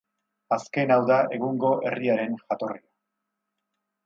Azken hau da egungo herriaren jatorria.